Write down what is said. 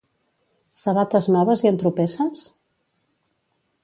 Sabates noves i entropesses?